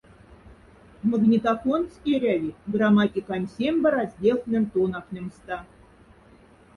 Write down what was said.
Магнитофонць эряви грамматикань сембе разделхнень тонафнемста.